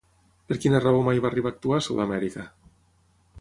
Per quina raó mai va arribar a actuar a Sud Amèrica?